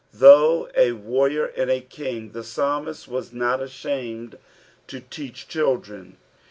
''^ Though a warrior and a king, the psalmist was not ashamed to teach children.